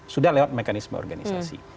sudah lewat mekanisme organisasi